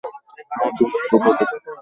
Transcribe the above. আমাকে মুক্ত করে দিন।